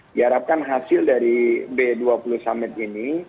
diharapkan hasil dari b dua puluh summit ini